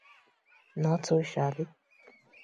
Not too shabby.